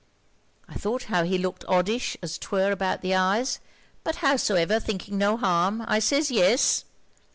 I thought how he looked oddish as 'twere about the eyes; but howsever thinking no harm, I says yes.